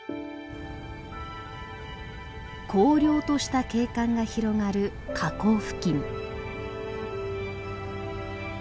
荒涼とした景観が広がる火口付近。